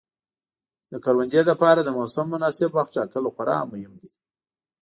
د کروندې لپاره د موسم مناسب وخت ټاکل خورا مهم دي.